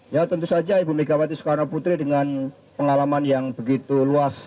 ya tentu saja ibu megawati soekarno putri dengan pengalaman yang begitu luas